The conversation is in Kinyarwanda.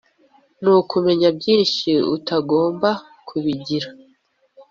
nukumenya byinshi utagomba kubigira,